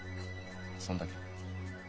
そんだけ。